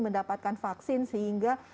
mendapatkan vaksin sehingga